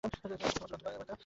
এটা প্রথম এবং চূড়ান্ত সতর্কতা।